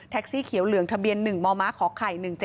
แท็กซี่เขียวเหลืองทะเบียน๑มมขข๑๗๕๔